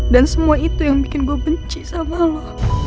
dan semua itu yang bikin gue benci sama lo